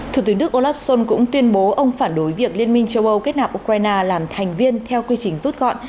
thủ tướng đức olaf scholz cũng tuyên bố ông phản đối việc liên minh châu âu kết nạp ukraine làm thành viên theo quy trình rút gọn